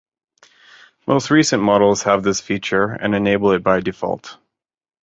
Most recent models have this feature and enable it by default.